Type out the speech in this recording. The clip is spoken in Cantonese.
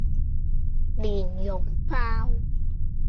蓮蓉包